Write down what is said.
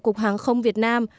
cục hàng không việt nam